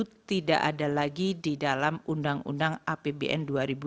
pasal dua puluh tujuh tidak ada lagi di dalam undang undang apbn dua ribu dua puluh empat